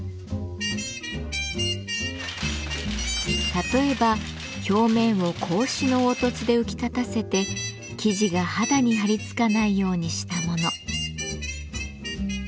例えば表面を格子の凹凸で浮き立たせて生地が肌にはりつかないようにしたもの。